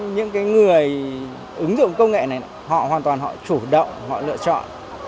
những người ứng dụng công nghệ này họ hoàn toàn họ chủ động họ lựa chọn